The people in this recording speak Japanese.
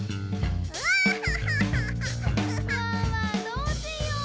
どうしよう？